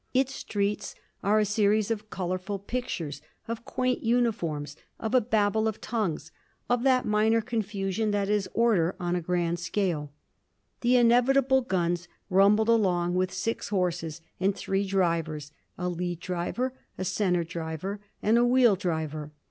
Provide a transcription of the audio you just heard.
Its streets are a series of colourful pictures, of quaint uniforms, of a babel of tongues, of that minor confusion that is order on a great scale. The inevitable guns rumbled along with six horses and three drivers: a lead driver, a centre driver and wheel driver.